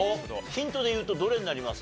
ヒントでいうとどれになります？